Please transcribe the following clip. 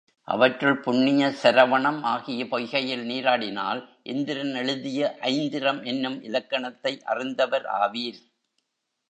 அவற்றுள் புண்ணிய சரவணம் ஆகிய பொய்கையில் நீராடினால் இந்திரன் எழுதிய ஐந்திரம் என்னும் இலக்கணத்தை அறிந்தவர் ஆவீர்.